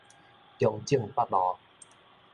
中正北路